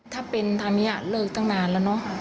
ถ้าเป็นตามนี้เลิกตั้งนานแล้วเนอะ